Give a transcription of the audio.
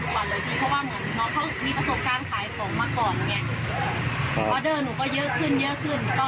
เพราะว่าเหมือนน้องเขามีประสบการณ์ขายของมาก่อน